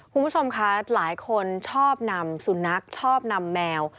คุณผู้ชมคะหลายคนชอบนำสุนัขชอบนำแมว